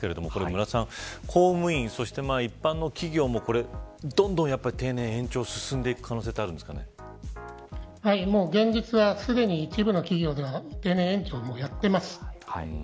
村田さん公務員、そして一般の企業もどんどん定年延長が進んでいく可能性は現実はすでに一部の企業では定年延長やっています。